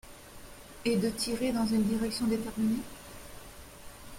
Et de tirer dans une direction déterminée?